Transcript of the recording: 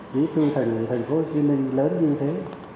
bí thư thành phố hồ chí minh lớn như thế